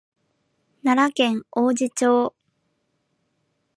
奈良県王寺町